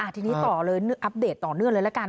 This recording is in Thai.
ทีนี้ต่อเลยอัปเดตต่อเนื่องเลยละกัน